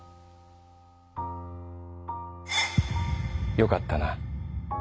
「よかったな。